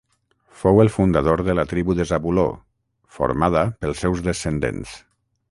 Fou el fundador de la Tribu de Zabuló, formada pels seus descendents.